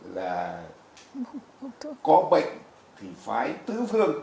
là có bệnh thì phải tứ phương